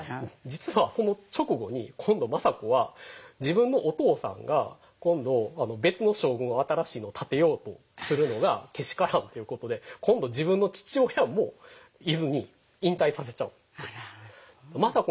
実はその直後に今度政子は自分のお父さんが別の将軍を新しいのを立てようとするのがけしからんということで今度自分の父親も伊豆に引退させちゃうんです。